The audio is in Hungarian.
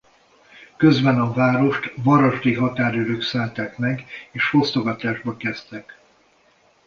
Közben a várost varasdi határőrök szállták meg és fosztogatásba kezdtek.